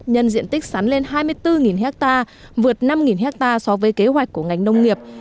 nhân diện tích sắn lên hai mươi bốn ha vượt năm ha so với kế hoạch của ngành nông nghiệp